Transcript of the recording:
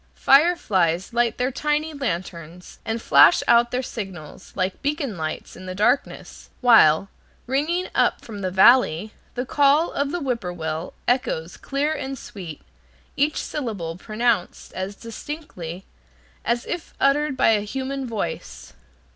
Fireflies light their tiny lanterns and flash out their signals, like beacon lights in the darkness, while, ringing up from the valley, the call of the whip poor will echoes clear and sweet, each syllable pronounced as distinctly as if uttered by a human voice.